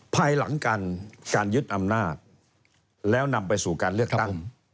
ภายหลังการยึดอำนาจแล้วนำไปสู่การเลือกตั้ง